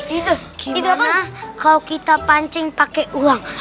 gimana kalau kita pancing pakai uang